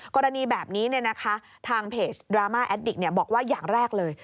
กรณีแบบนี้ทางเพจดราม่าแอดดิกบอกว่าอย่างแรกเลย